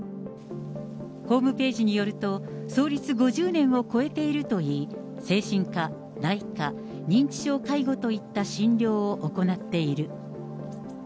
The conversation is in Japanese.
ホームページによると、創立５０年を超えているといい、精神科、内科、認知症介護といった診療を行っている。